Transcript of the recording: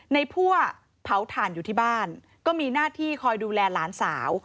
พั่วเผาถ่านอยู่ที่บ้านก็มีหน้าที่คอยดูแลหลานสาว